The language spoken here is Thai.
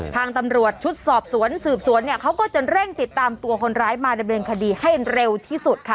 ทางตำรวจชุดสอบสวนสืบสวนเนี่ยเขาก็จะเร่งติดตามตัวคนร้ายมาดำเนินคดีให้เร็วที่สุดค่ะ